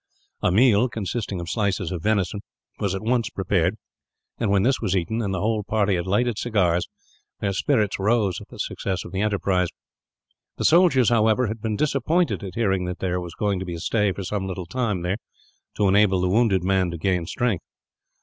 A meal, consisting of slices of venison, was at once prepared and, when this was eaten, and the whole party had lighted cigars, their spirits rose at the success of the enterprise. The soldiers, however, had been disappointed at hearing that there was going to be a stay for some little time there, to enable the wounded man to gain strength.